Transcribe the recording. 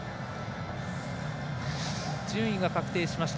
順位が確定しました。